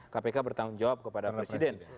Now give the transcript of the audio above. kpk bertanggung jawab kepada presiden